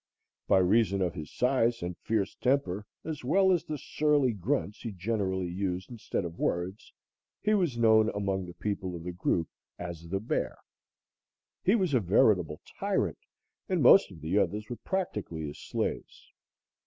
By reason of his size and fierce temper, as well as the surly grunts he generally used instead of words, he was known among the people of the group as the Bear. He was a veritable tyrant and most of the others were practically his slaves.